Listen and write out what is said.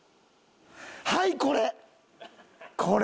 はいこれ！